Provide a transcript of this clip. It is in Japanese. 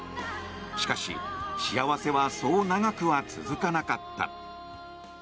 しかし、幸せはそう長くは続かなかった。